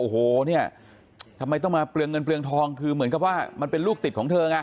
โอ้โหเนี่ยทำไมต้องมาเปลืองเงินเปลืองทองคือเหมือนกับว่ามันเป็นลูกติดของเธอไง